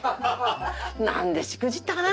なんでしくじったかな。